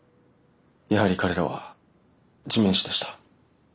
やはり彼らは地面師でした。